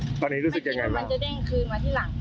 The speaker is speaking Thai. พี่ตอนนี้รู้สึกยังไงบ้างพี่ตอนนี้รู้สึกยังไงบ้าง